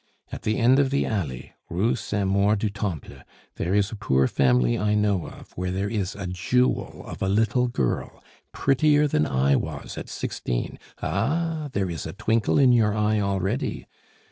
At the end of the Alley, Rue Saint Maur du Temple, there is a poor family I know of where there is a jewel of a little girl, prettier than I was at sixteen. Ah! there is a twinkle in your eye already!